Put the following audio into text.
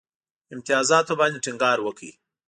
امتیازاتو باندي ټینګار وکړ.